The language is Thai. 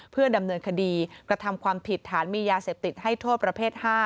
เพื่อดำเนินคดีกระทำความผิดฐานมียาเสพติดให้โทษประเภท๕